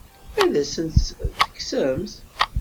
Ad asent-tt-tekksemt?